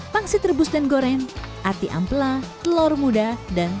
pangsit rebus dan goreng ati ampela telur dan kambing